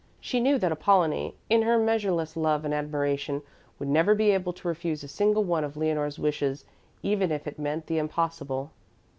She knew that Apollonie in her measureless love and admiration would never be able to refuse a single one of Leonore's wishes, even if it meant the impossible.